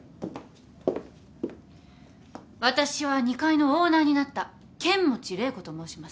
私は２階のオーナーになった剣持麗子と申します。